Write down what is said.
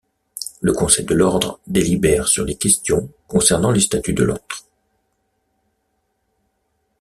Le Conseil de l'Ordre délibère sur les questions concernant les statuts de l'Ordre.